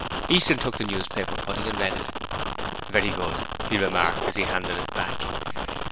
Easton took the newspaper cutting and read it: 'Very good,' he remarked as he handed it back.